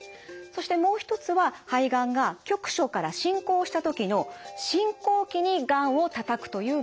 そしてもう一つは肺がんが局所から進行した時の進行期にがんをたたくという目的です。